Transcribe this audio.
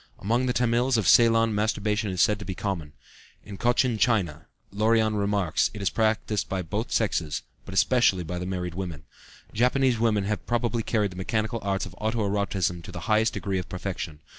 Among the Tamils of Ceylon masturbation is said to be common. In Cochin China, Lorion remarks, it is practiced by both sexes, but especially by the married women. Japanese women have probably carried the mechanical arts of auto erotism to the highest degree of perfection.